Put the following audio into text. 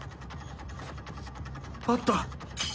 あった！